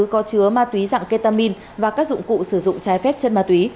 có chứa ma túy dạng ketamin và các dụng cụ sử dụng trái phép chân ma túy